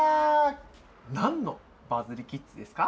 なんのバズりキッズですか？